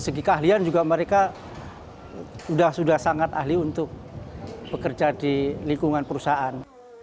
segi keahlian juga mereka sudah sangat ahli untuk bekerja di lingkungan perusahaan